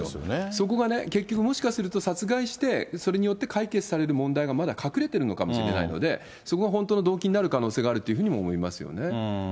そこはね、結局、もしかすると、殺害して、それによって解決される問題がまだ隠れてるのかもしれないので、そこが本当の動機になる可能性があるっていうふうにも思いますよね。